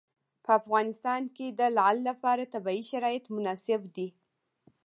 په افغانستان کې د لعل لپاره طبیعي شرایط مناسب دي.